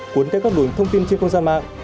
cuốn tắt các luồng thông tin trên không gian mạng